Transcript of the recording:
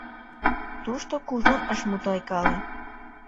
Тушто кужун ыш мутайкале.